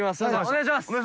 お願いします。